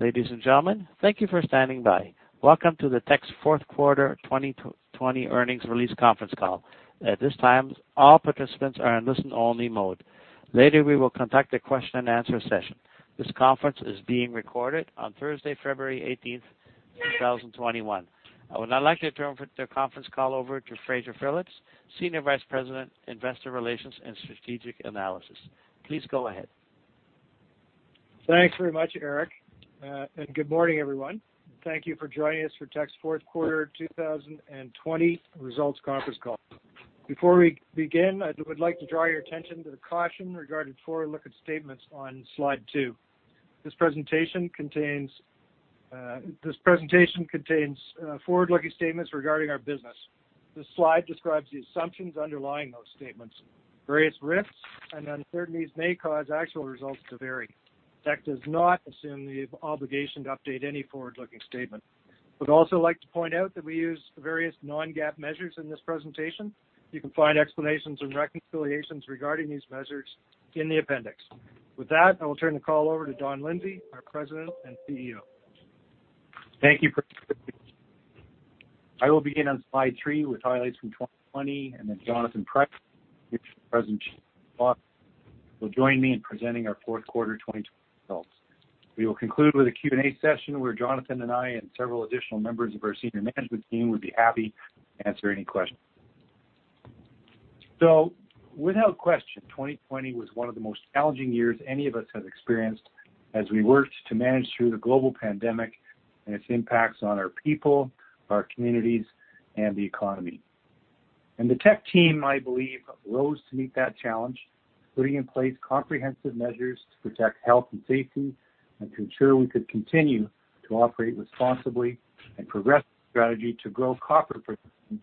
Ladies and gentlemen, thank you for standing by. Welcome to Teck's fourth quarter 2020 earnings release conference call. At this time, all participants are in listen only mode. Later, we will conduct a question and answer session. This conference is being recorded on Thursday, February 18th, 2021. I would now like to turn the conference call over to Fraser Phillips, Senior Vice President, Investor Relations and Strategic Analysis. Please go ahead. Thanks very much, Eric. Good morning, everyone. Thank you for joining us for Teck's fourth quarter 2020 results conference call. Before we begin, I would like to draw your attention to the caution regarding forward-looking statements on Slide two. This presentation contains forward-looking statements regarding our business. This slide describes the assumptions underlying those statements. Various risks and uncertainties may cause actual results to vary. Teck does not assume the obligation to update any forward-looking statement. We'd also like to point out that we use various Non-GAAP measures in this presentation. You can find explanations and reconciliations regarding these measures in the appendix. With that, I will turn the call over to Don Lindsay, our President and Chief Executive Officer. Thank you. I will begin on slide three with highlights from 2020, and then Jonathan Price, President and Chief Operating Officer, will join me in presenting our fourth quarter 2020 results. We will conclude with a Q&A session where Jonathan and I and several additional members of our senior management team would be happy to answer any questions. Without question, 2020 was one of the most challenging years any of us have experienced as we worked to manage through the global pandemic and its impacts on our people, our communities, and the economy. The Teck team, I believe, rose to meet that challenge, putting in place comprehensive measures to protect health and safety and ensure we could continue to operate responsibly and progress strategy to grow copper production and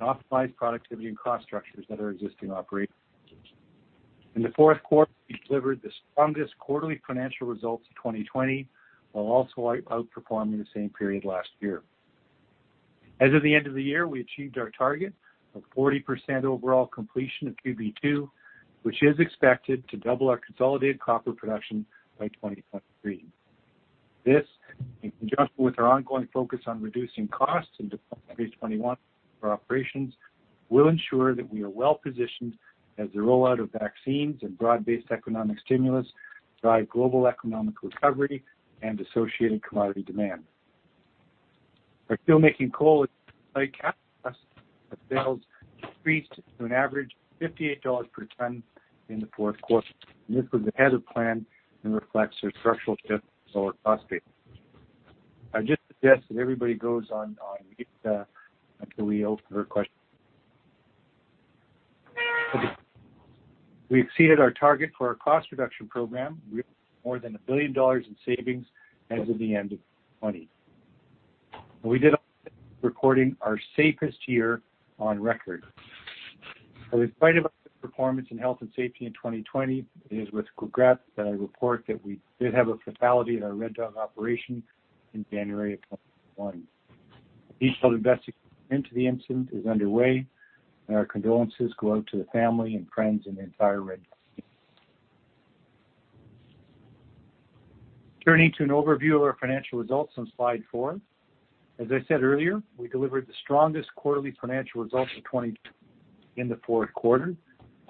optimize productivity and cost structures at our existing operating locations. In the fourth quarter, we delivered the strongest quarterly financial results of 2020, while also outperforming the same period last year. As of the end of the year, we achieved our target of 40% overall completion of QB2, which is expected to double our consolidated copper production by 2023. This, in conjunction with our ongoing focus on reducing costs and deploying RACE21 for operations, will ensure that we are well-positioned as the rollout of vaccines and broad-based economic stimulus drive global economic recovery and associated commodity demand. Our steelmaking coal at site cash cost increased to an average of 58 dollars per ton in the fourth quarter. This was ahead of plan and reflects a structural shift to lower cost basis. I'd just suggest that everybody goes on mute until we open for questions. We exceeded our target for our cost reduction program, with more than 1 billion dollars in savings as of the end of 2020. We did record our safest year on record. In spite of our performance in health and safety in 2020, it is with regret that I report that we did have a fatality at our Red Dog operation in January of 2021. A detailed investigation into the incident is underway, and our condolences go out to the family and friends in the entire Red Dog community. Turning to an overview of our financial results on Slide four. As I said earlier, we delivered the strongest quarterly financial results in the fourth quarter.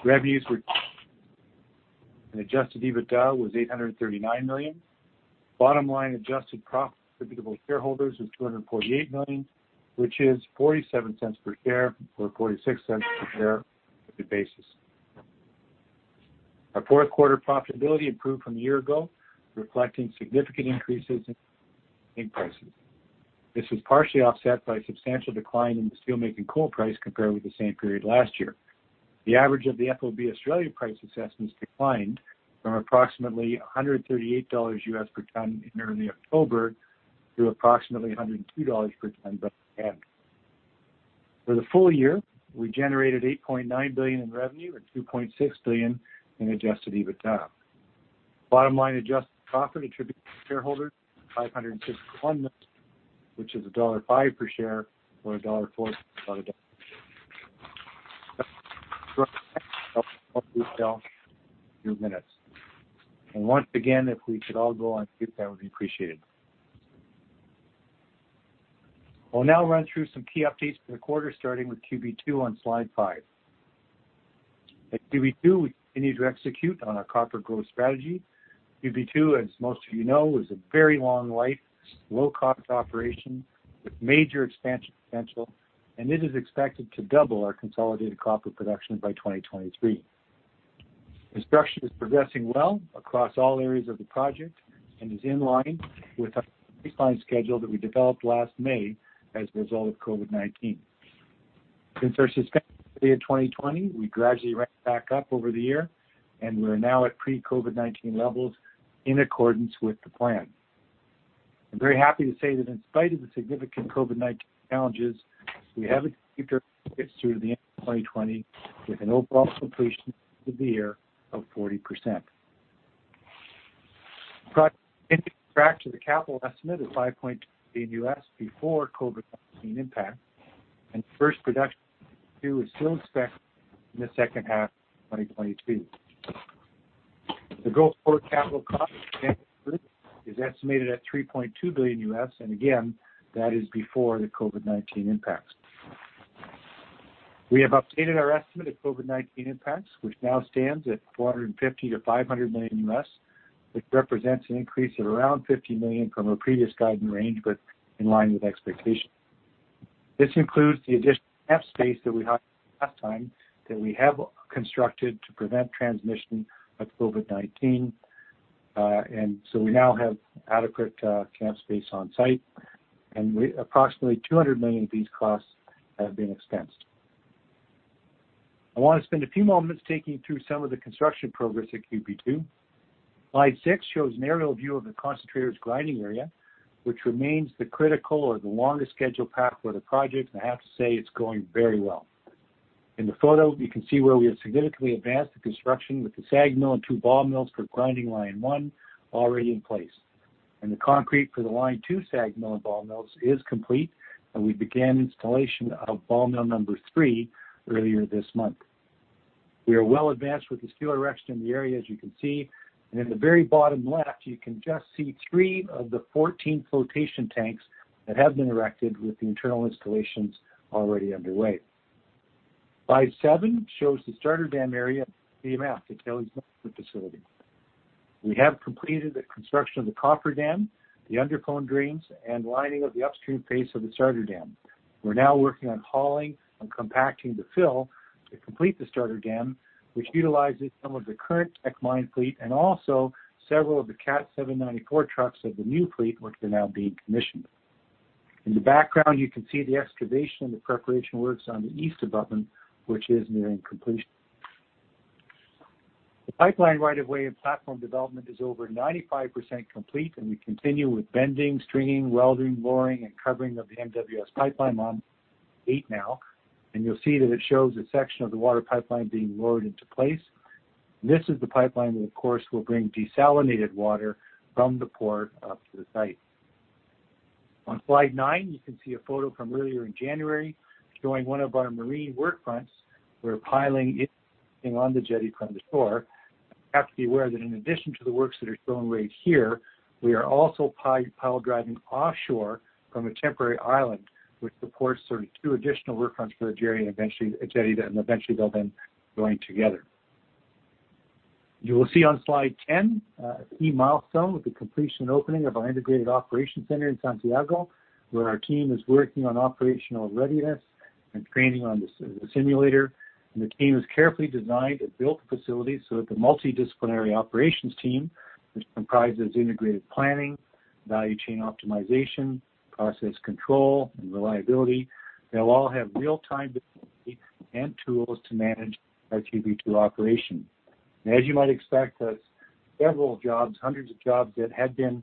Adjusted EBITDA was 839 million. Bottom-line adjusted profit attributable to shareholders was 248 million, which is 0.47 per share or 0.46 per share on the basis. Our fourth quarter profitability improved from a year ago, reflecting significant increases in prices. This was partially offset by a substantial decline in the steelmaking coal price compared with the same period last year. The average of the FOB Australia price assessments declined from approximately $138 U.S. per ton in early October to approximately $102 per ton by the end. For the full year, we generated 8.9 billion in revenue and 2.6 billion in adjusted EBITDA. Bottom line adjusted profit attributable to shareholders, 561 million, which is CAD 1.05 per share. Once again, if we could all go on mute, that would be appreciated. I'll now run through some key updates for the quarter, starting with QB2 on slide five. At QB2, we continue to execute on our copper growth strategy. QB2, as most of you know, is a very long life, low cost operation with major expansion potential. It is expected to double our consolidated copper production by 2023. Construction is progressing well across all areas of the project and is in line with our baseline schedule that we developed last May as a result of COVID-19. Since our suspension at the end of 2020, we gradually ramped back up over the year, and we're now at pre-COVID-19 levels in accordance with the plan. I'm very happy to say that in spite of the significant COVID-19 challenges, we have executed through to the end of 2020 with an overall completion of the year of 40%. Project track to the capital estimate of $5.2 billion before COVID-19 impact and first production QB2 is still expected in the second half of 2022. The go-forward capital cost is estimated at $3.2 billion, and again, that is before the COVID-19 impacts. We have updated our estimate of COVID-19 impacts, which now stands at $450 million-$500 million. This represents an increase of around $50 million from our previous guidance range, but in line with expectations. This includes the additional camp space that we had last time that we have constructed to prevent transmission of COVID-19. We now have adequate camp space on site, and approximately $200 million of these costs have been expensed. I want to spend a few moments taking you through some of the construction progress at QB2. Slide six shows an aerial view of the concentrator's grinding area, which remains the critical or the longest schedule path for the project. I have to say, it's going very well. In the photo, you can see where we have significantly advanced the construction with the SAG mill and two ball mills for grinding line 1 already in place. The concrete for the line 2 SAG mill and ball mills is complete, and we began installation of ball mill number three earlier this month. We are well advanced with the steel erection in the area, as you can see. In the very bottom left, you can just see three of the 14 flotation tanks that have been erected with the internal installations already underway. Slide seven shows the starter dam area at the tailings management facility We have completed the construction of the coffer dam, the undercone drains, and lining of the upstream face of the starter dam. We're now working on hauling and compacting the fill to complete the starter dam, which utilizes some of the current Teck mine fleet and also several of the Cat 794 trucks of the new fleet, which are now being commissioned. In the background, you can see the excavation and the preparation works on the east abutment, which is nearing completion. The pipeline right of way and platform development is over 95% complete. We continue with bending, stringing, welding, lowering, and covering of the MWS pipeline on eight now. You'll see that it shows a section of the water pipeline being lowered into place. This is the pipeline that, of course, will bring desalinated water from the port up to the site. On slide nine, you can see a photo from earlier in January showing one of our marine work fronts. We're piling on the jetty from the shore. You have to be aware that in addition to the works that are shown right here, we are also pile driving offshore from a temporary island, which supports sort of two additional work fronts for a jetty, and eventually they'll then join together. You will see on slide 10 a key milestone with the completion and opening of our integrated operations center in Santiago, where our team is working on operational readiness and training on the simulator. The team has carefully designed and built the facility so that the multidisciplinary operations team, which comprises integrated planning, value chain optimization, process control, and reliability, they'll all have real-time visibility and tools to manage our QB2 operations. As you might expect, several jobs, hundreds of jobs that had been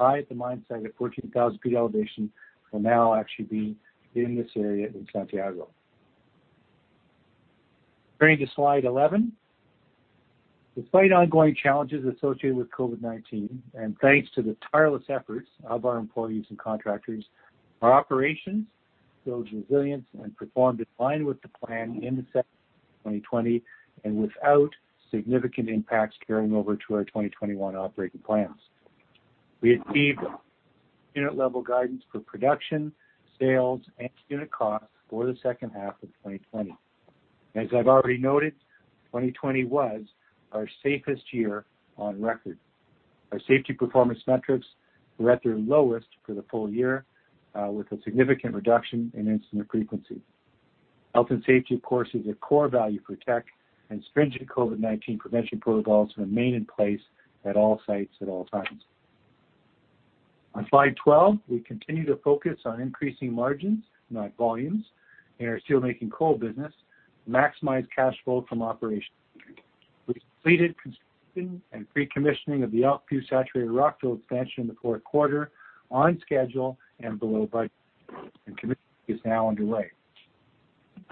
high at the mine site at 14,000 feet elevation will now actually be in this area in Santiago. Turning to Slide 11. Despite ongoing challenges associated with COVID-19, and thanks to the tireless efforts of our employees and contractors, our operations showed resilience and performed in line with the plan in the second half of 2020 and without significant impacts carrying over to our 2021 operating plans. We achieved unit level guidance for production, sales, and unit costs for the second half of 2020. As I've already noted, 2020 was our safest year on record. Our safety performance metrics were at their lowest for the full year, with a significant reduction in incident frequency. Health and safety, of course, is a core value for Teck, and stringent COVID-19 prevention protocols remain in place at all sites at all times. On Slide 12, we continue to focus on increasing margins, not volumes, in our steelmaking coal business to maximize cash flow from operations. We completed construction and pre-commissioning of the Elkview Saturated Rock Fill expansion in the fourth quarter on schedule and below budget. Commissioning is now underway.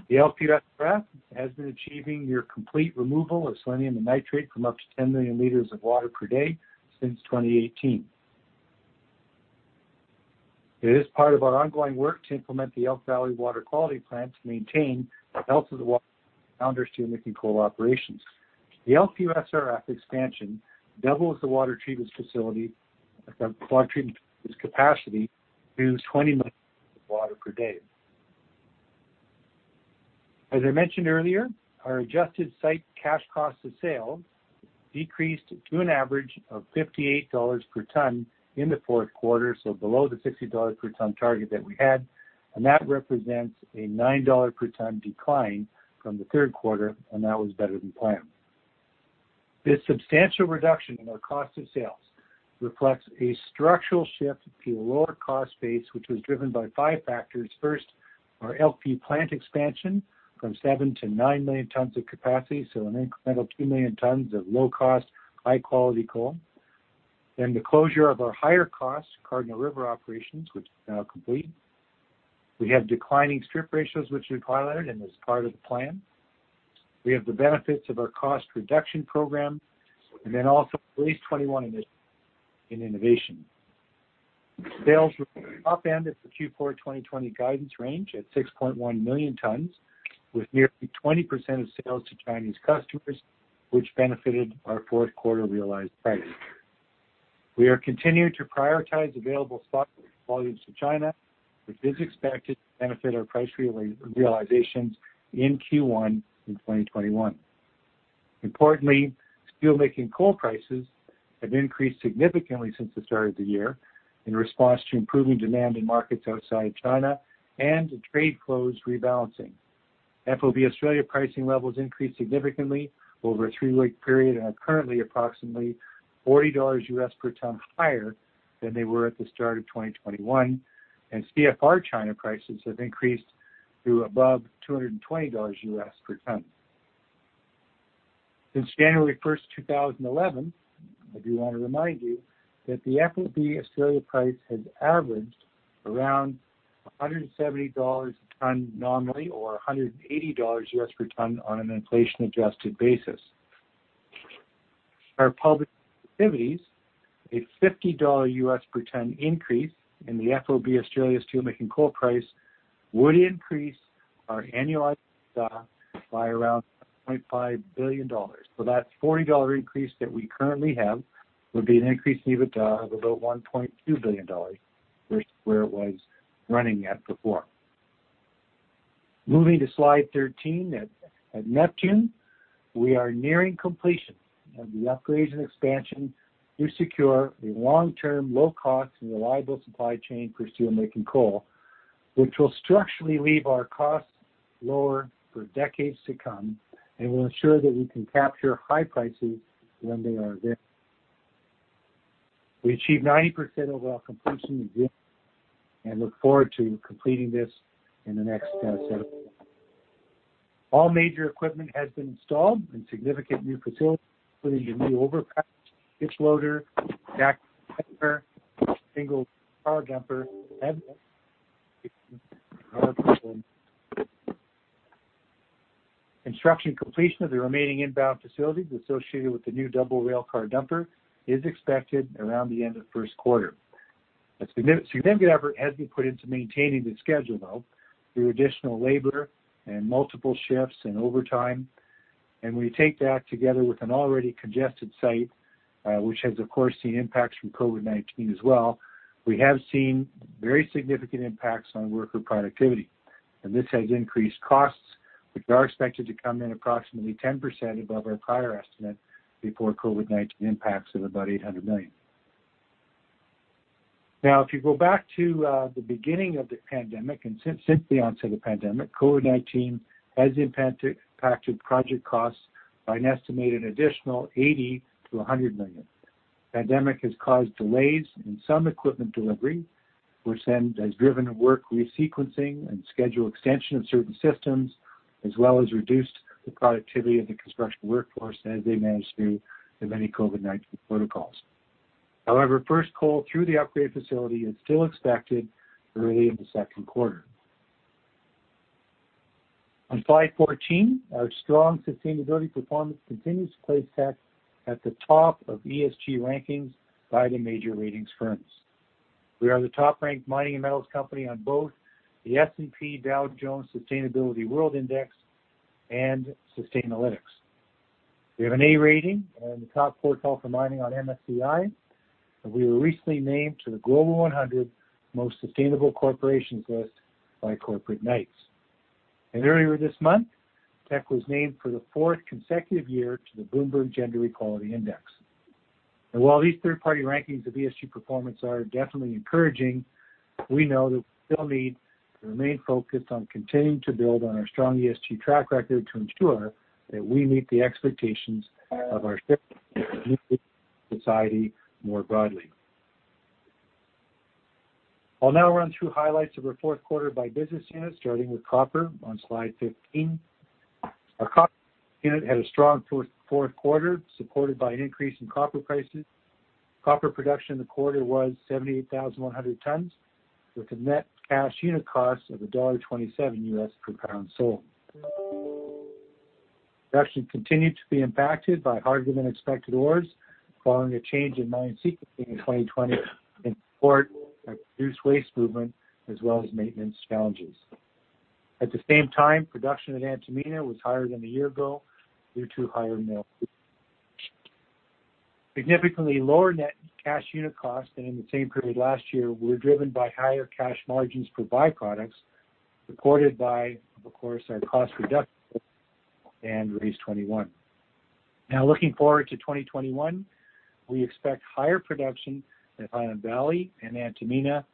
The Elkview SRF expansion has been achieving near complete removal of selenium and nitrate from up to 10 million liters of water per day since 2018. It is part of our ongoing work to implement the Elk Valley Water Quality Plan to maintain the health of the water operations. The Elkview SRF expansion expansion doubles the water treatment facility capacity to 20 million liters of water per day. As I mentioned earlier, our adjusted site cash cost of sales decreased to an average of 58 dollars per ton in the fourth quarter, below the 60 dollars per ton target that we had. That represents a 9 dollar per ton decline from the third quarter. That was better than planned. This substantial reduction in our cost of sales reflects a structural shift to a lower cost base, which was driven by five factors. First, our Elkview plant expansion from 7 million tons-9 million tons of capacity, so an incremental 2 million tons of low cost, high quality coal. The closure of our higher cost Cardinal River operations, which is now complete. We have declining strip ratios, which we've highlighted and is part of the plan. We have the benefits of our cost reduction program, and then also RACE21 in innovation. Sales were up and hit the Q4 2020 guidance range at 6.1 million tons, with nearly 20% of sales to Chinese customers, which benefited our fourth quarter realized pricing. We are continuing to prioritize available stock volumes to China, which is expected to benefit our price realizations in Q1 2021. Importantly, steelmaking coal prices have increased significantly since the start of the year in response to improving demand in markets outside China and trade flows rebalancing. FOB Australia pricing levels increased significantly over a three-week period and are currently approximately $40 per ton higher than they were at the start of 2021, and CFR China prices have increased to above $220 per ton. Since January 1st, 2011, I do want to remind you that the FOB Australia price has averaged around 170 dollars per ton nominally, or $180 per ton on an inflation-adjusted basis. Our public activities, a $50 per ton increase in the FOB Australia steelmaking coal price would increase our annualized EBITDA by around 1.5 billion dollars. That 40 dollar increase that we currently have would be an increase in EBITDA of about 1.2 billion dollars versus where it was running at before. Moving to Slide 13. At Neptune, we are nearing completion of the upgrades and expansion to secure a long-term, low-cost, and reliable supply chain for steelmaking coal, which will structurally leave our costs lower for decades to come and will ensure that we can capture high prices when they are there. We achieved 90% of our completion and look forward to completing this in the next several months. All major equipment has been installed in significant new facilities, including the linear bypass, dewaterer, and jetting, single car dumper, and construction completion of the remaining inbound facilities associated with the new double railcar dumper is expected around the end of the first quarter. A significant effort has been put into maintaining the schedule, though, through additional labor and multiple shifts in overtime, and we take that together with an already congested site, which has, of course, seen impacts from COVID-19 as well. We have seen very significant impacts on worker productivity, and this has increased costs, which are expected to come in approximately 10% above our prior estimate before COVID-19 impacts of about 800 million. Now, if you go back to the beginning of the pandemic and since the onset of the pandemic, COVID-19 has impacted project costs by an estimated additional 80 million-100 million. The pandemic has caused delays in some equipment delivery, which then has driven a work resequencing and schedule extension of certain systems, as well as reduced the productivity of the construction workforce as they manage through the many COVID-19 protocols. However, first coal through the upgrade facility is still expected early in the second quarter. On Slide 14, our strong sustainability performance continues to place Teck at the top of ESG rankings by the major ratings firms. We are the top-ranked mining and metals company on both the S&P Dow Jones Sustainability World Index and Sustainalytics. We have an A rating in the top quartile for mining on MSCI. We were recently named to the Global 100 Most Sustainable Corporations list by Corporate Knights. Earlier this month, Teck was named for the fourth consecutive year to the Bloomberg Gender-Equality Index. While these third-party rankings of ESG performance are definitely encouraging, we know that we still need to remain focused on continuing to build on our strong ESG track record to ensure that we meet the expectations of our shareholders and society more broadly. I'll now run through highlights of our fourth quarter by business unit, starting with copper on Slide 15. Our copper unit had a strong fourth quarter, supported by an increase in copper prices. Copper production in the quarter was 78,100 tons, with a net cash unit cost of $1.27 U.S. per pound sold. Production continued to be impacted by harder-than-expected ores following a change in mine sequencing in 2020 and support by reduced waste movement as well as maintenance challenges. At the same time, production at Antamina was higher than a year ago due to higher mill throughput. Significantly lower net cash unit cost than in the same period last year were driven by higher cash margins for byproducts, supported by, of course, our cost reductions and RACE21. Looking forward to 2021, we expect higher production at Highland Valley and Antamina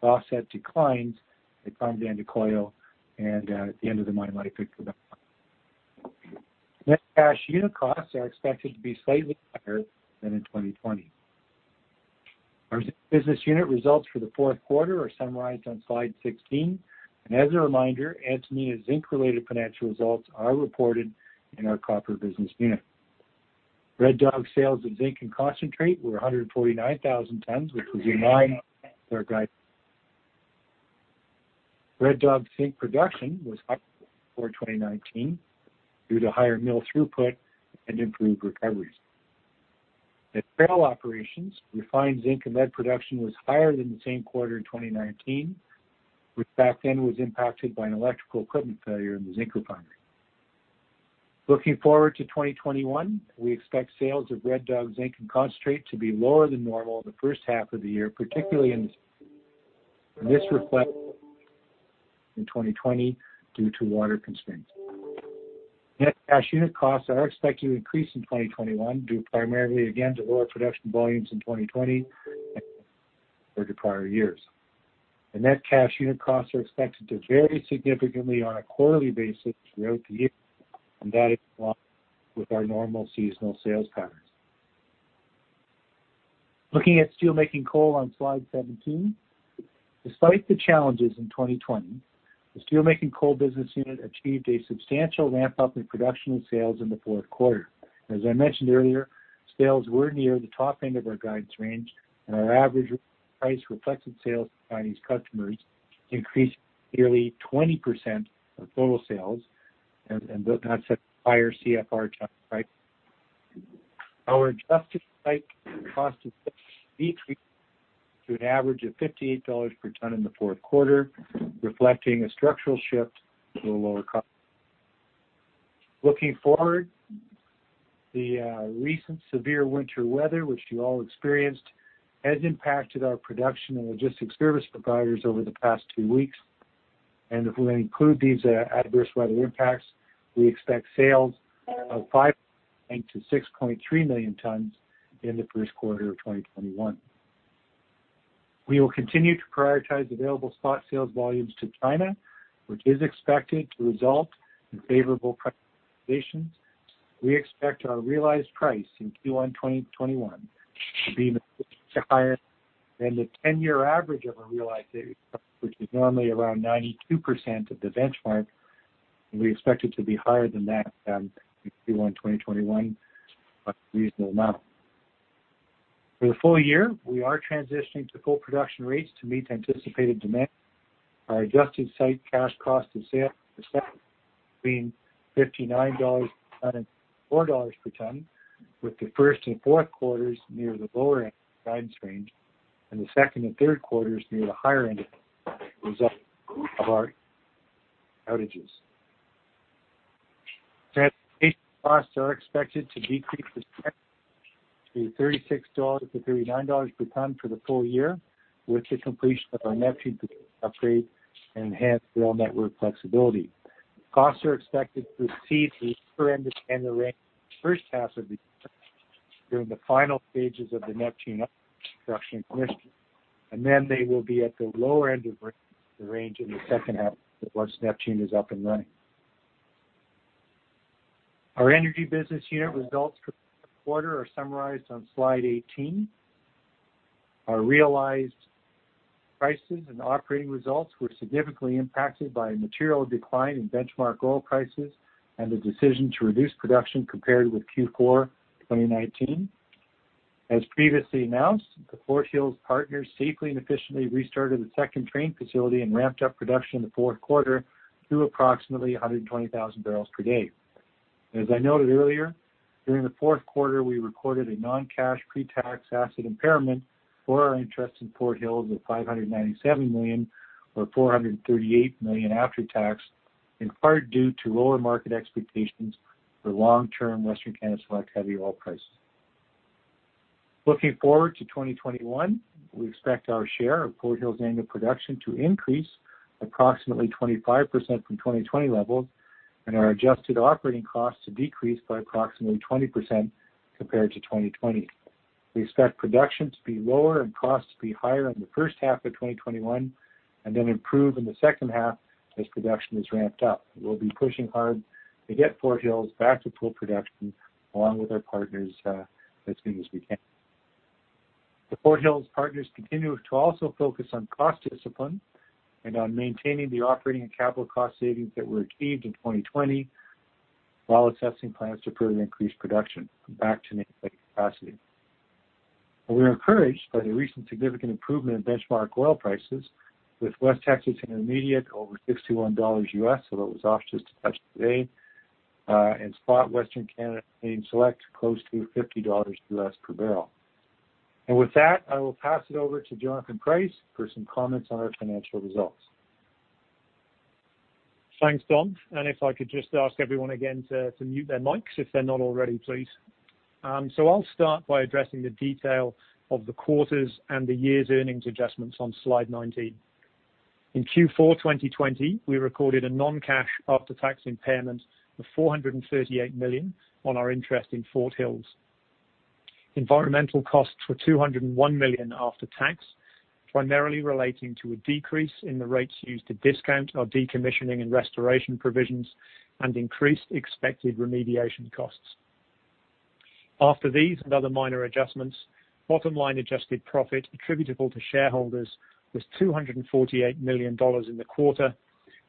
to offset declines at Carmen de Andacollo and at the end of the mine life at Quebrada Blanca. Net cash unit costs are expected to be slightly higher than in 2020. Our business unit results for the fourth quarter are summarized on slide 16. As a reminder, Antamina zinc-related financial results are reported in our copper business unit. Red Dog sales of zinc and concentrate were 149,000 tons, which was in line with our guidance. Red Dog zinc production was higher for 2019 due to higher mill throughput and improved recoveries. At Trail operations, refined zinc and lead production was higher than the same quarter in 2019, which back then was impacted by an electrical equipment failure in the zinc refinery. Looking forward to 2021, we expect sales of Red Dog zinc and concentrate to be lower than normal the first half of the year, particularly in 2020 due to water constraints. Net cash unit costs are expected to increase in 2021, due primarily again to lower production volumes in 2020 prior years. The net cash unit costs are expected to vary significantly on a quarterly basis throughout the year. That is in line with our normal seasonal sales patterns. Looking at steelmaking coal on Slide 17. Despite the challenges in 2020, the steelmaking coal business unit achieved a substantial ramp-up in production and sales in the fourth quarter. As I mentioned earlier, sales were near the top end of our guidance range, and our average price reflected sales to Chinese customers increased nearly 20% of total sales, and those at higher CFR ton price. Our adjusted site cash cost of sales to an average of 58 dollars per ton in the fourth quarter, reflecting a structural shift to a lower cost. Looking forward, the recent severe winter weather, which you all experienced, has impacted our production and logistics service providers over the past two weeks. If we include these adverse weather impacts, we expect sales of 5.8 million tons-6.3 million tonnes in the first quarter of 2021. We will continue to prioritize available spot sales volumes to China, which is expected to result in favorable price realizations. We expect our realized price in Q1 2021 to be higher than the 10-year average of a realized which is normally around 92% of the benchmark. We expect it to be higher than that in Q1 2021, a reasonable amount. For the full year, we are transitioning to full production rates to meet anticipated demand. Our adjusted site cash cost of sales between 59-64 dollars per tonne, with the first and fourth quarters near the lower end of the guidance range and the second and third quarters near the higher end of the range of our outages. Transportation costs are expected to decrease to 36-39 dollars per ton for the full year, with the completion of our Neptune upgrade and enhanced rail network flexibility. Costs are expected to exceed the lower end of the range during the final stages of the Neptune construction commission, and then they will be at the lower end of the range in the second half once Neptune is up and running. Our energy business unit results for the quarter are summarized on Slide 18. Our realized prices and operating results were significantly impacted by a material decline in benchmark oil prices and the decision to reduce production compared with Q4 2019. As previously announced, the Fort Hills partners safely and efficiently restarted the second train facility and ramped up production in the fourth quarter to approximately 120,000 barrels per day. As I noted earlier, during the fourth quarter, we recorded a non-cash pre-tax asset impairment for our interest in Fort Hills of 597 million, or 438 million after tax, in part due to lower market expectations for long-term Western Canada Select heavy oil prices. Looking forward to 2021, we expect our share of Fort Hills annual production to increase approximately 25% from 2020 levels and our adjusted operating costs to decrease by approximately 20% compared to 2020. We expect production to be lower and costs to be higher in the first half of 2021 and then improve in the second half as production is ramped up. We'll be pushing hard to get Fort Hills back to full production along with our partners, as soon as we can. The Fort Hills partners continue to also focus on cost discipline and on maintaining the operating and capital cost savings that were achieved in 2020 while assessing plans to further increase production back to nameplate capacity. We are encouraged by the recent significant improvement in benchmark oil prices with West Texas Intermediate over $61 U.S., although it was off just a touch today, and spot Western Canada Select close to $50 U.S. per barrel. With that, I will pass it over to Jonathan Price for some comments on our financial results. Thanks, Don. If I could just ask everyone again to mute their mics if they're not already, please. I'll start by addressing the detail of the quarter's and the year's earnings adjustments on Slide 19. In Q4 2020, we recorded a non-cash after-tax impairment of 438 million on our interest in Fort Hills. Environmental costs were 201 million after tax, primarily relating to a decrease in the rates used to discount our decommissioning and restoration provisions and increased expected remediation costs. After these and other minor adjustments, bottom-line adjusted profit attributable to shareholders was 248 million dollars in the quarter,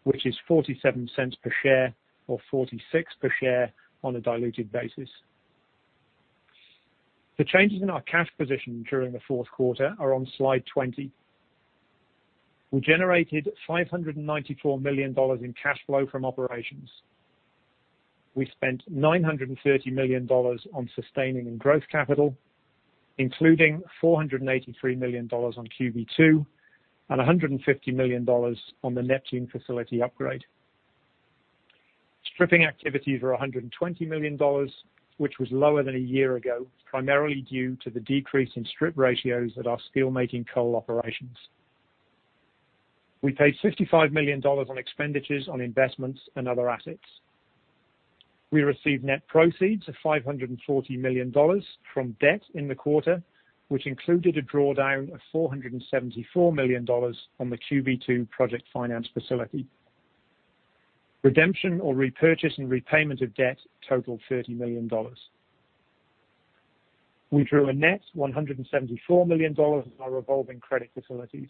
which is 0.47 per share or 0.46 per share on a diluted basis. The changes in our cash position during the fourth quarter are on Slide 20. We generated 594 million dollars in cash flow from operations. We spent 930 million dollars on sustaining and growth capital, including 483 million dollars on QB2 and 150 million dollars on the Neptune facility upgrade. Stripping activities were 120 million dollars, which was lower than a year ago, primarily due to the decrease in strip ratios at our steelmaking coal operations. We paid 55 million dollars on expenditures on investments and other assets. We received net proceeds of 540 million dollars from debt in the quarter, which included a drawdown of 474 million dollars on the QB2 project finance facility. Redemption or repurchase and repayment of debt totaled 30 million dollars. We drew a net 174 million dollars on our revolving credit facilities.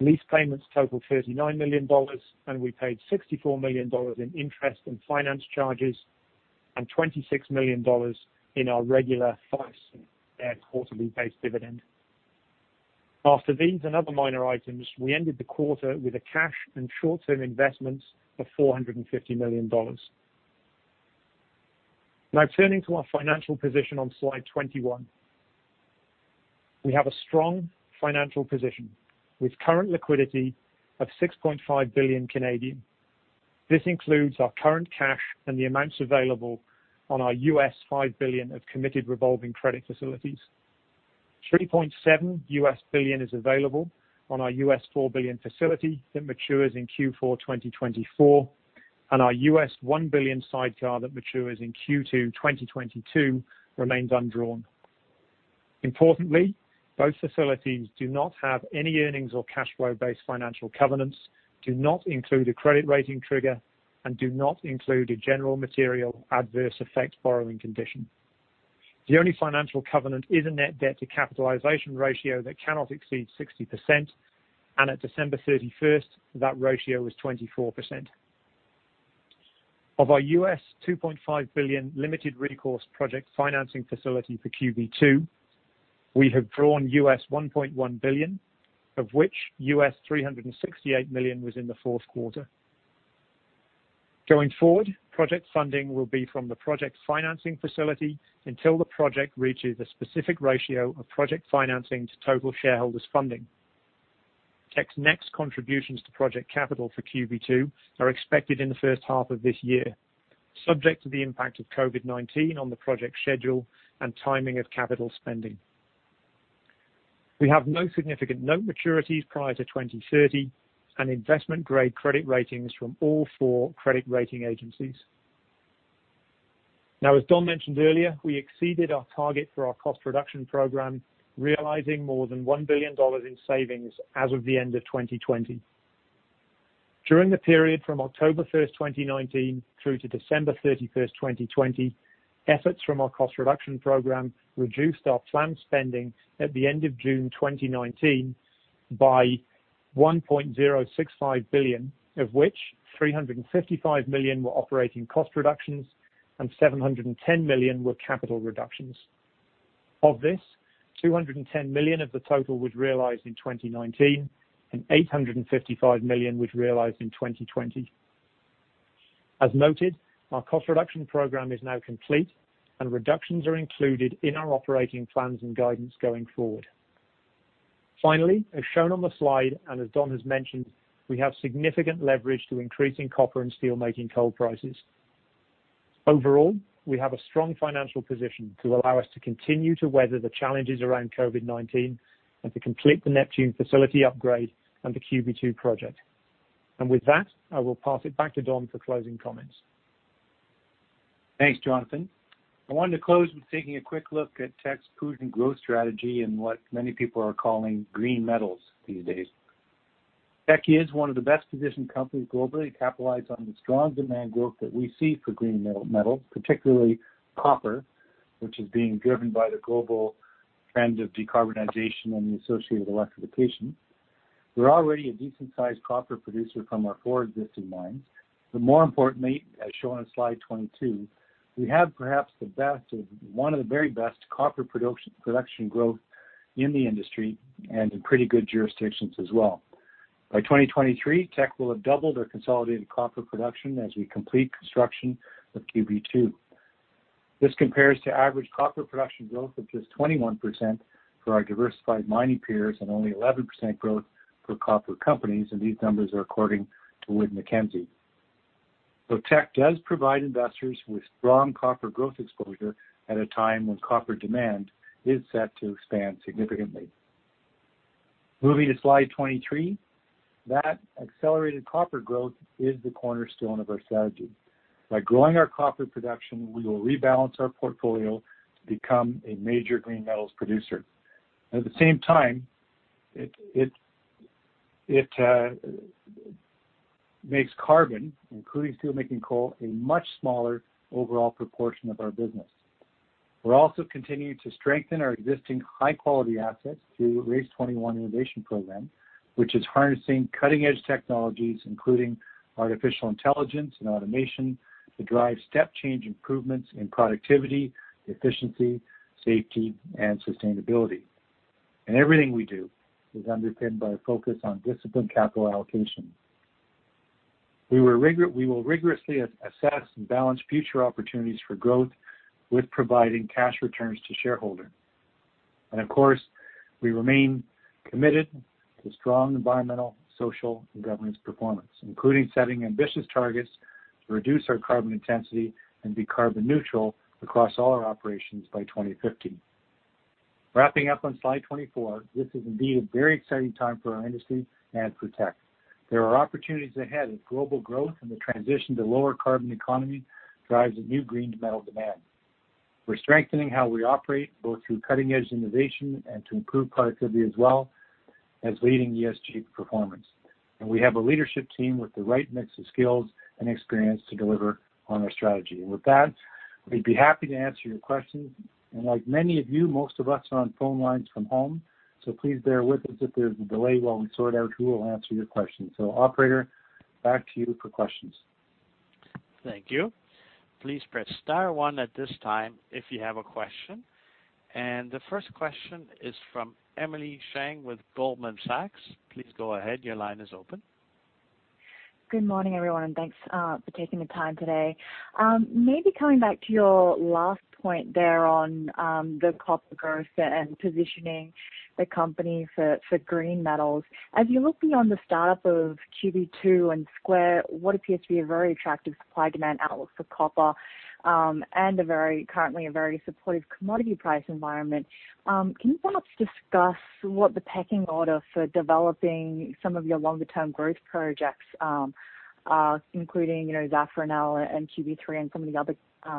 Lease payments totaled 39 million dollars, and we paid 64 million dollars in interest and finance charges and 26 million dollars in our regular five-year quarterly based dividend. After these and other minor items, we ended the quarter with a cash and short-term investments of 450 million dollars. Turning to our financial position on Slide 21. We have a strong financial position with current liquidity of 6.5 billion. This includes our current cash and the amounts available on our $5 billion of committed revolving credit facilities. $3.7 billion is available on our $4 billion facility that matures in Q4 2024, and our $1 billion sidecar that matures in Q2 2022 remains undrawn. Importantly, both facilities do not have any earnings or cashflow-based financial covenants, do not include a credit rating trigger, and do not include a general material adverse effect borrowing condition. The only financial covenant is a net debt to capitalization ratio that cannot exceed 60%, and at December 31st, that ratio was 24%. Of our $2.5 billion limited recourse project financing facility for QB2, we have drawn $1.1 billion, of which $368 million was in the fourth quarter. Going forward, project funding will be from the project financing facility until the project reaches a specific ratio of project financing to total shareholders' funding. Teck's next contributions to project capital for QB2 are expected in the first half of this year, subject to the impact of COVID-19 on the project schedule and timing of capital spending. We have no significant note maturities prior to 2030 and investment-grade credit ratings from all four credit rating agencies. Now, as Don mentioned earlier, we exceeded our target for our cost reduction program, realizing more than 1 billion dollars in savings as of the end of 2020. During the period from October 1st, 2019 through to December 31st, 2020, efforts from our cost reduction program reduced our planned spending at the end of June 2019 by 1.065 billion, of which 355 million were operating cost reductions and 710 million were capital reductions. Of this, 210 million of the total was realized in 2019 and 855 million was realized in 2020. As noted, our cost reduction program is now complete and reductions are included in our operating plans and guidance going forward. Finally, as shown on the slide and as Don has mentioned, we have significant leverage to increasing copper and steelmaking coal prices. Overall, we have a strong financial position to allow us to continue to weather the challenges around COVID-19 and to complete the Neptune upgrade and the QB2 project. With that, I will pass it back to Don for closing comments. Thanks, Jonathan. I wanted to close with taking a quick look at Teck's prudent growth strategy and what many people are calling green metals these days. Teck is one of the best-positioned companies globally to capitalize on the strong demand growth that we see for green metals, particularly copper, which is being driven by the global trend of decarbonization and the associated electrification. We're already a decent-sized copper producer from our four existing mines, but more importantly, as shown on Slide 22, we have perhaps the best or one of the very best copper production growth in the industry and in pretty good jurisdictions as well. By 2023, Teck will have doubled their consolidated copper production as we complete construction of QB2. This compares to average copper production growth of just 21% for our diversified mining peers and only 11% growth for copper companies. These numbers are according to Wood Mackenzie. Teck does provide investors with strong copper growth exposure at a time when copper demand is set to expand significantly. Moving to Slide 23. That accelerated copper growth is the cornerstone of our strategy. By growing our copper production, we will rebalance our portfolio to become a major green metals producer. At the same time, it makes carbon, including steelmaking coal, a much smaller overall proportion of our business. We're also continuing to strengthen our existing high-quality assets through RACE21 innovation program, which is harnessing cutting-edge technologies, including artificial intelligence and automation, to drive step change improvements in productivity, efficiency, safety, and sustainability. Everything we do is underpinned by a focus on disciplined capital allocation. We will rigorously assess and balance future opportunities for growth with providing cash returns to shareholders. Of course, we remain committed to strong environmental, social, and governance performance, including setting ambitious targets to reduce our carbon intensity and be carbon neutral across all our operations by 2050. Wrapping up on Slide 24, this is indeed a very exciting time for our industry and for Teck. There are opportunities ahead as global growth and the transition to lower carbon economy drives a new green metal demand. We're strengthening how we operate, both through cutting-edge innovation and to improve productivity as well as leading ESG performance. We have a leadership team with the right mix of skills and experience to deliver on our strategy. With that, we'd be happy to answer your questions. Like many of you, most of us are on phone lines from home, so please bear with us if there's a delay while we sort out who will answer your questions. Operator, back to you for questions. Thank you. Please press star one at this time if you have a question. The first question is from Emily Chieng with Goldman Sachs. Please go ahead. Your line is open. Good morning, everyone, and thanks for taking the time today. Maybe coming back to your last point there on the copper growth and positioning the company for green metals. As you look beyond the start-up of QB2 and square, what appears to be a very attractive supply-demand outlook for copper, and currently a very supportive commodity price environment, can you perhaps discuss what the pecking order for developing some of your longer-term growth projects, including Zafranal and QB3 and some of the other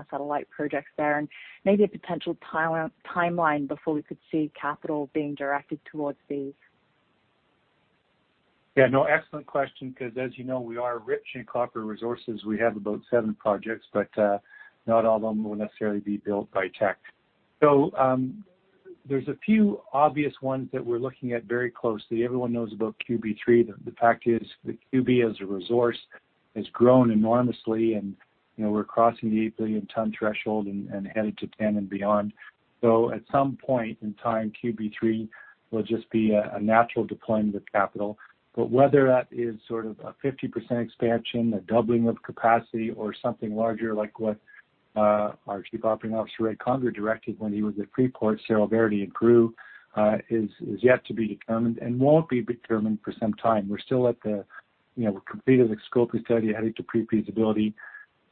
satellite projects there, and maybe a potential timeline before we could see capital being directed towards these? Yeah, no, excellent question because as you know, we are rich in copper resources. We have about seven projects, but not all of them will necessarily be built by Teck. There's a few obvious ones that we're looking at very closely. Everyone knows about QB2. The fact is that QB as a resource has grown enormously, and we're crossing the 8 billion ton threshold and headed to 10 billion tons and beyond. At some point in time, QB2 will just be a natural deployment of capital. Whether that is sort of a 50% expansion, a doubling of capacity, or something larger like what our Chief Operating Officer, Red Conger, directed when he was at Freeport-McMoRan, Cerro Verde in Peru, is yet to be determined and won't be determined for some time. We're still at the completed the scope of study, headed to pre-feasibility.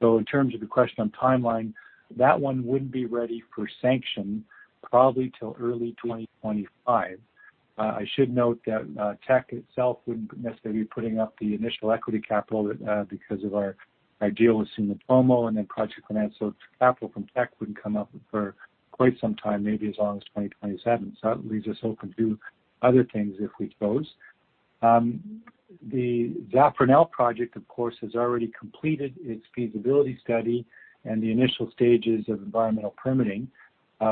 In terms of the question on timeline, that one wouldn't be ready for sanction probably till early 2025. I should note that Teck itself wouldn't necessarily be putting up the initial equity capital because of our deal with Sumitomo and then project finance. Capital from Teck wouldn't come up for quite some time, maybe as long as 2027. That leaves us open to other things if we chose. The Zafranal project, of course, has already completed its feasibility study and the initial stages of environmental permitting.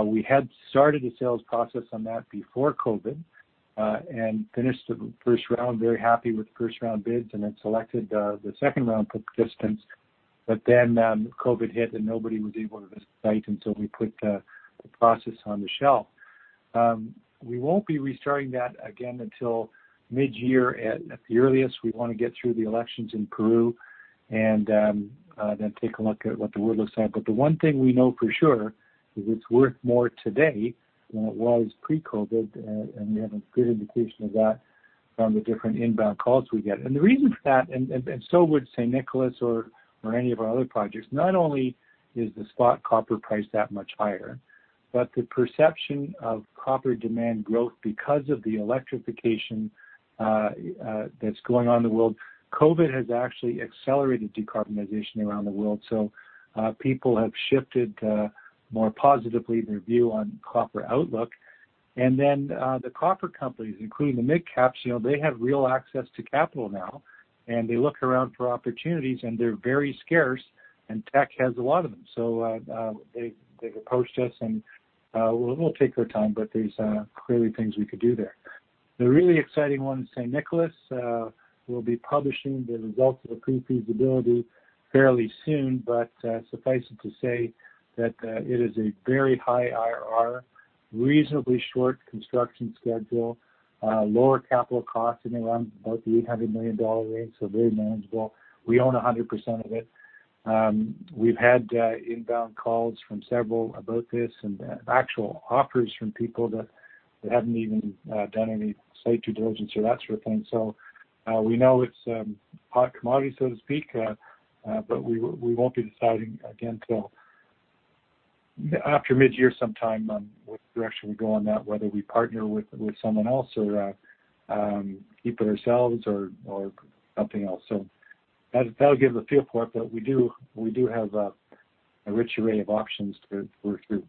We had started a sales process on that before COVID, and finished the first round, very happy with first-round bids, and then selected the second-round participants. COVID hit, and nobody was able to visit site, and so we put the process on the shelf. We won't be restarting that again until mid-year at the earliest. We want to get through the elections in Peru and then take a look at what the world looks like. The one thing we know for sure is it's worth more today than it was pre-COVID, and we have a good indication of that from the different inbound calls we get. The reason for that, and so would San Nicolas or any of our other projects, not only is the spot copper price that much higher, but the perception of copper demand growth because of the electrification that's going on in the world. COVID has actually accelerated decarbonization around the world. People have shifted more positively their view on copper outlook. The copper companies, including the mid-caps, they have real access to capital now, and they look around for opportunities, and they're very scarce, and Teck has a lot of them. They've approached us, and we'll take our time, but there's clearly things we could do there. The really exciting one, San Nicolas, we'll be publishing the results of the pre-feasibility fairly soon, but suffice it to say that it is a very high IRR, reasonably short construction schedule, lower capital cost anywhere around about the 800 million dollar range, very manageable. We own 100% of it. We've had inbound calls from several about this and actual offers from people that haven't even done any site due diligence or that sort of thing. We know it's a hot commodity, so to speak, but we won't be deciding again till after mid-year sometime on which direction we go on that, whether we partner with someone else or keep it ourselves or something else. That'll give the feel for it. We do have a rich array of options to work through.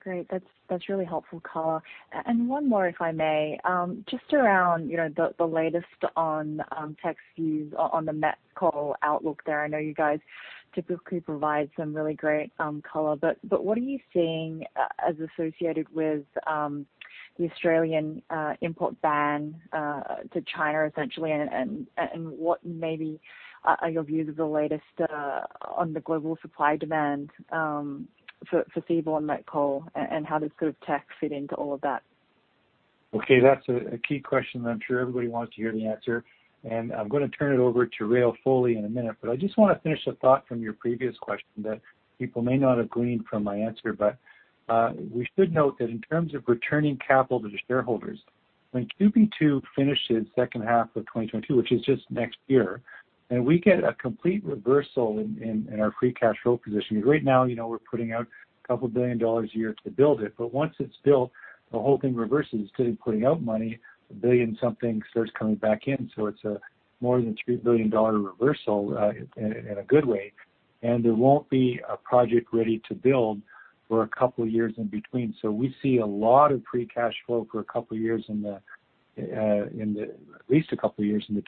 Great. That's really helpful color. One more, if I may, just around the latest on Teck's views on the met coal outlook there. I know you guys typically provide some really great color, but what are you seeing as associated with the Australian import ban to China, essentially, and what maybe are your views of the latest on the global supply-demand for seaborne met coal, and how does group Teck fit into all of that? Okay, that's a key question that I'm sure everybody wants to hear the answer. I'm going to turn it over to Réal Foley in a minute. I just want to finish the thought from your previous question that people may not have gleaned from my answer. We should note that in terms of returning capital to the shareholders, when QB2 finishes second half of 2022, which is just next year, and we get a complete reversal in our free cash flow position, because right now we're putting out 2 billion dollars a year to build it. Once it's built, the whole thing reverses to putting out money, 1 billion something starts coming back in. It's a more than 3 billion dollar reversal in a good way. There won't be a project ready to build for a couple of years in between. We see a lot of free cash flow for at least a couple of years in the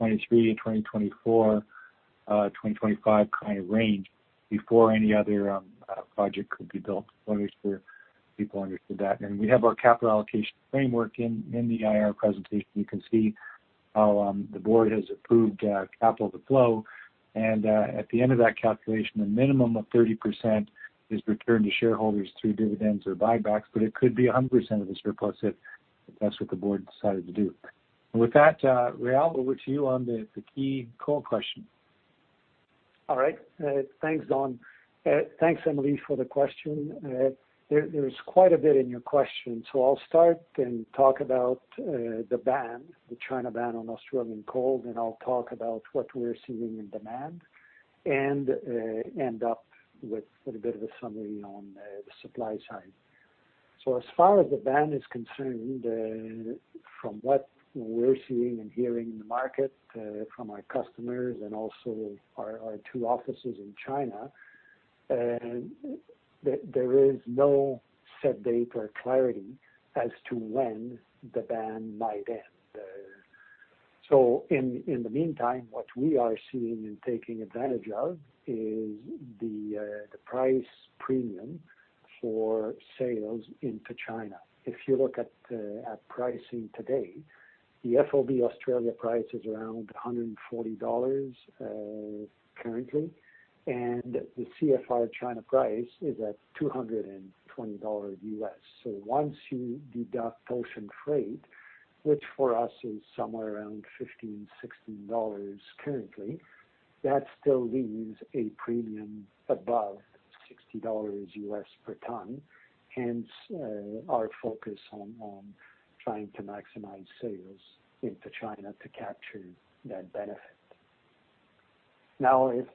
2023, 2024, 2025 kind of range before any other project could be built. I wanted people to understand that. We have our capital allocation framework in the IR presentation. You can see how the board has approved capital to flow and at the end of that calculation, a minimum of 30% is returned to shareholders through dividends or buybacks, but it could be 100% of this reported if that's what the board decided to do. Réal, over to you on the key coal question. All right. Thanks, Don. Thanks, Emily, for the question. There is quite a bit in your question, I'll start and talk about the ban, the China ban on Australian coal, then I'll talk about what we're seeing in demand and end up with a bit of a summary on the supply side. As far as the ban is concerned, from what we're seeing and hearing in the market, from our customers and also our two offices in China, there is no set date or clarity as to when the ban might end. In the meantime, what we are seeing and taking advantage of is the price premium for sales into China. If you look at pricing today, the FOB Australia price is around $140 currently, and the CFR China price is at $220. Once you deduct ocean freight, which for us is somewhere around 15, 16 dollars currently, that still leaves a premium above $60 per ton, hence our focus on trying to maximize sales into China to capture that benefit.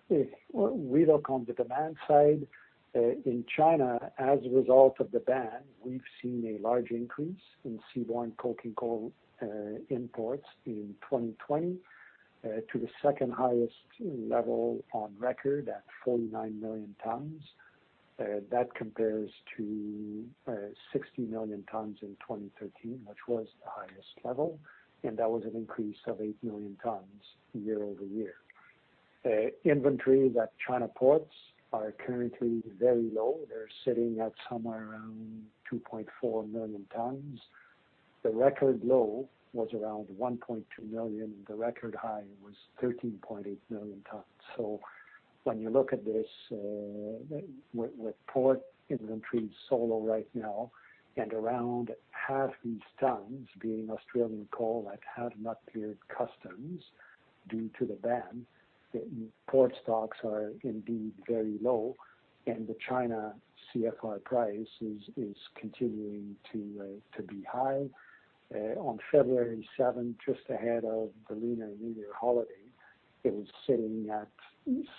If we look on the demand side, in China, as a result of the ban, we've seen a large increase in seaborne coking coal imports in 2020 to the second highest level on record at 49 million tons. That compares to 60 million tons in 2013, which was the highest level, and that was an increase of 8 million tons year-over-year. Inventories at China ports are currently very low. They're sitting at somewhere around 2.4 million tons. The record low was around 1.2 million, and the record high was 13.8 million tons. When you look at this, with port inventories so low right now and around half these tons being Australian coal that have not cleared customs due to the ban, port stocks are indeed very low and the CFR China price is continuing to be high. On February 7th, just ahead of the Lunar New Year holiday, it was sitting at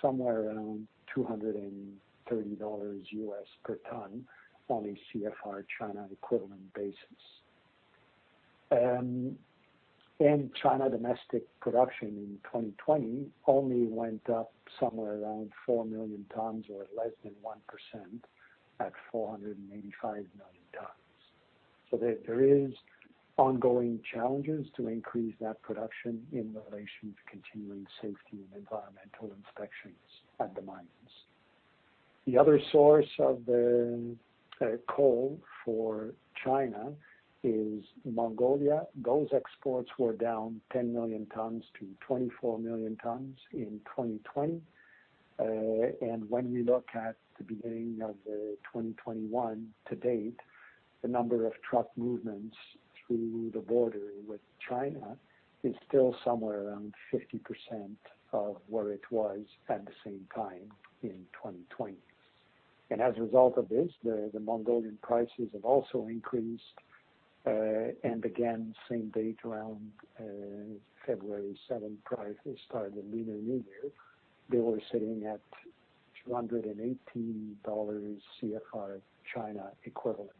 somewhere around 230 dollars per ton on a CFR China equivalent basis. In China, domestic production in 2020 only went up somewhere around four million tons or less than 1% at 485 million tons. There is ongoing challenges to increase that production in relation to continuing safety and environmental inspections at the mines. The other source of coal for China is Mongolia. Those exports were down 10 million tons-24 million tons in 2020. When we look at the beginning of 2021 to date, the number of truck movements through the border with China is still somewhere around 50% of where it was at the same time in 2020. As a result of this, the Mongolian prices have also increased. Again, same date, around February 7th, prior to the start of the Lunar New Year, they were sitting at 218 dollars CFR China equivalent.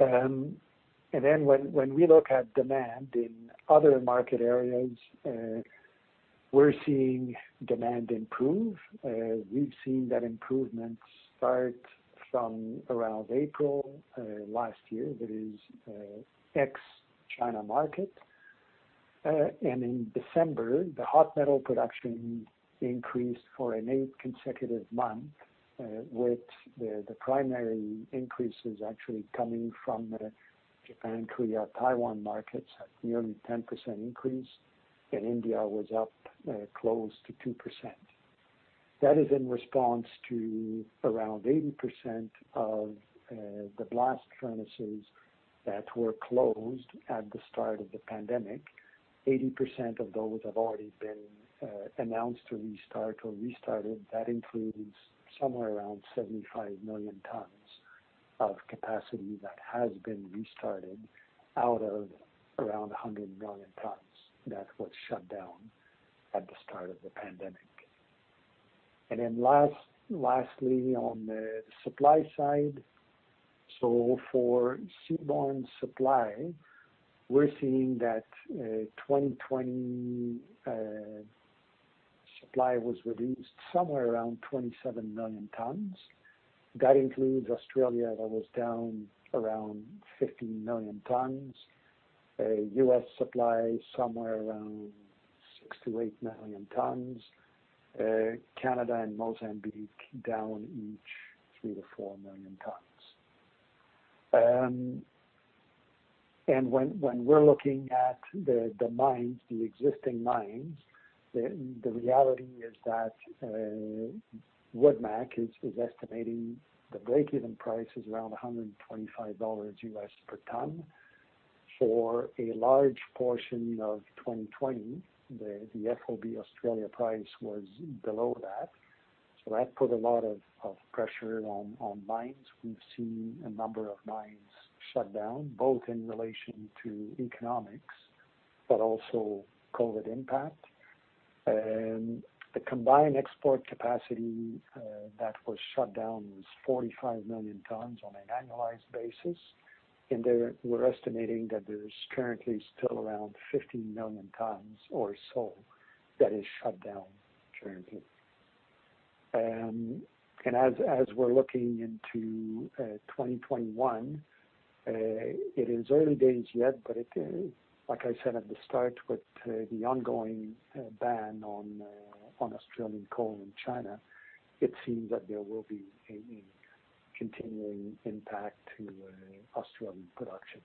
When we look at demand in other market areas, we are seeing demand improve. We have seen that improvement start from around April last year, that is ex-China market. In December, the hot metal production increased for an eighth consecutive month, with the primary increases actually coming from Japan, Korea, Taiwan markets at nearly 10% increase, and India was up close to 2%. That is in response to around 80% of the blast furnaces that were closed at the start of the pandemic. 80% of those have already been announced to restart or restarted. That includes somewhere around 75 million tons of capacity that has been restarted out of around 100 million tons. That's what shut down at the start of the pandemic. Lastly, on the supply side, for seaborne supply, we're seeing that 2020 supply was reduced somewhere around 27 million tons. That includes Australia, that was down around 15 million tons. U.S. supply, somewhere around 6 million-8 million tons. Canada and Mozambique, down each 3 million-4 million tons. When we're looking at the mines, the existing mines, the reality is that Wood Mackenzie is estimating the break-even price is around $125 U.S. per ton. For a large portion of 2020, the FOB Australia price was below that. That put a lot of pressure on mines. We've seen a number of mines shut down, both in relation to economics, but also COVID impact. The combined export capacity that was shut down was 45 million tons on an annualized basis. We're estimating that there's currently still around 15 million tons or so that is shut down currently. As we're looking into 2021, it is early days yet, but like I said at the start, with the ongoing ban on Australian coal in China, it seems that there will be a continuing impact to Australian production.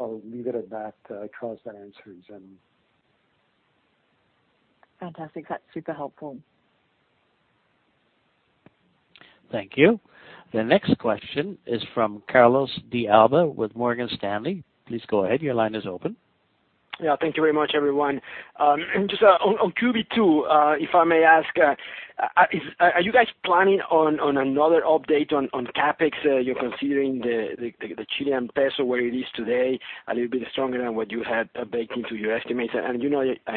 I'll leave it at that. I trust that answers them. Fantastic. That's super helpful. Thank you. The next question is from Carlos de Alba with Morgan Stanley. Please go ahead. Your line is open. Yeah. Thank you very much, everyone. Just on Q2, if I may ask, are you guys planning on another update on CapEx? You're considering the Chilean peso, where it is today, a little bit stronger than what you had baked into your estimates. I